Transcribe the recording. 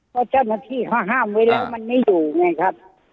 เพราะเจ้าหน้าที่เขาห้ามไว้แล้วมันไม่อยู่ไงครับ